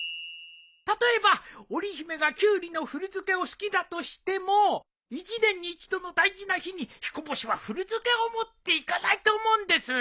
例えば織り姫がキュウリの古漬けを好きだとしても一年に一度の大事な日にひこ星は古漬けを持っていかないと思うんです。